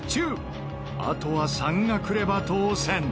あとは３がくれば当せん。